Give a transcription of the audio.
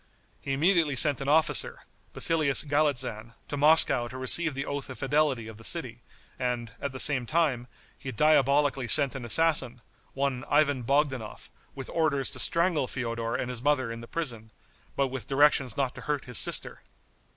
He immediately sent an officer, Basilius Galitzan, to Moscow to receive the oath of fidelity of the city, and, at the same time, he diabolically sent an assassin, one Ivan Bogdanoff, with orders to strangle Feodor and his mother in the prison, but with directions not to hurt his sister.